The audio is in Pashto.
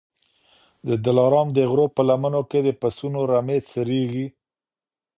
د دلارام د غرو په لمنو کي د پسونو رمې څرېږي